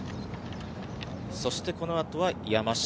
そしてこのあとは山下。